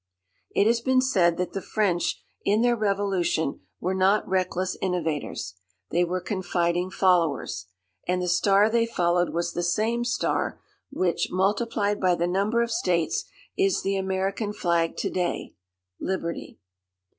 It has been said that the French in their Revolution were not reckless innovators. They were confiding followers. And the star they followed was the same star which, multiplied by the number of states, is the American flag to day Liberty.